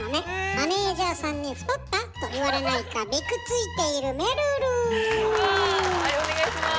マネージャーさんに「太った？」と言われないかびくついているお願いします。